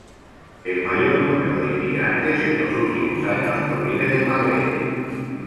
El mayor número de inmigrantes en los últimos años proviene del Magreb.